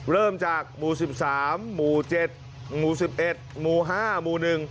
เริ่มจากหมู่๑๓หมู่๗หมู่๑๑หมู่๕หมู่๑